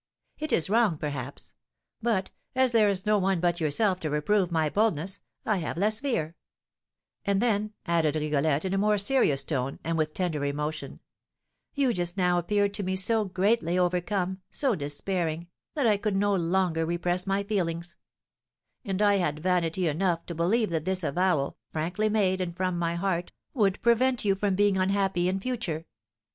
It is wrong, perhaps; but, as there is no one but yourself to reprove my boldness, I have less fear; and then," added Rigolette, in a more serious tone, and with tender emotion, "you just now appeared to me so greatly overcome, so despairing, that I could no longer repress my feelings; and I had vanity enough to believe that this avowal, frankly made and from my heart, would prevent you from being unhappy in future.